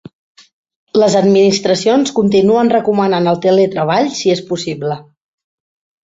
Les administracions continuen recomanant el teletreball si és possible.